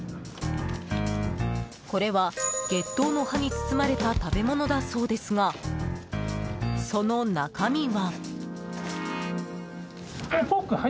これは、ゲットウの葉に包まれた食べ物だそうですが、その中身は。